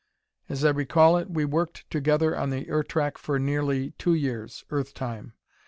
As I recall it, we worked together on the Ertak for nearly two years, Earth time.